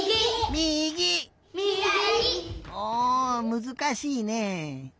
むずかしいね。